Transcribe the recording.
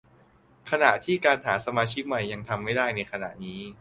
ขณะที่การหาสมาชิกใหม่ยังทำไม่ได้ในขณะนี้